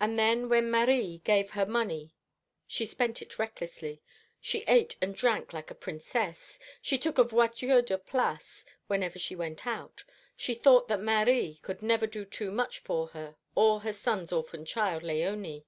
And then when Marie gave her money she spent it recklessly she ate and drank like a princess she took a voiture de place, whenever she went out: she thought that Marie could never do too much for her or her son's orphan child Léonie."